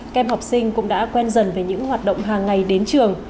kem học sinh cũng đã quen dần với những hoạt động hàng ngày đến trường